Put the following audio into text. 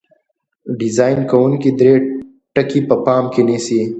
ډیزاین کوونکي درې ټکي په پام کې نیسي.